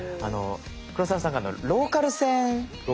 黒沢さんがローカル線。